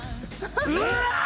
うわ！